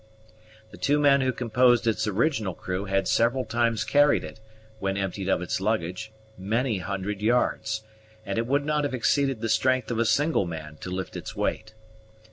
The two men who composed its original crew had several times carried it, when emptied of its luggage, many hundred yards; and it would not have exceeded the strength of a single man to lift its weight.